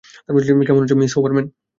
কেমন আছ, Miss Huberman?